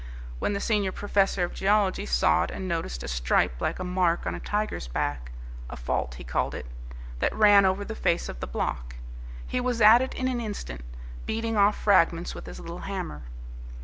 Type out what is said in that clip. When the senior professor of geology saw it and noticed a stripe like a mark on a tiger's back a fault he called it that ran over the face of the block, he was at it in an instant, beating off fragments with his little hammer.